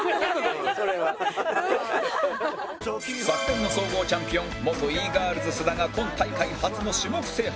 昨年の総合チャンピオン元 Ｅ−ｇｉｒｌｓ 須田が今大会初の種目制覇